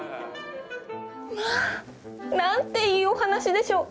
まあ、なんでいいお話でしょう。